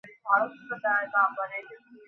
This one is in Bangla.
আমি দিবোও না।